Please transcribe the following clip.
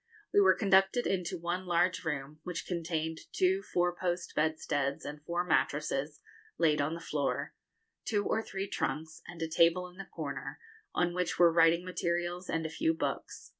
We were conducted into the one large room, which contained two four post bedsteads and four mattresses, laid on the floor, two or three trunks, and a table in the corner, on which were writing materials and a few books.